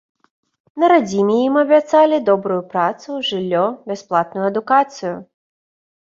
На радзіме ім абяцалі добрую працу, жыллё, бясплатную адукацыю.